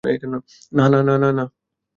না - না?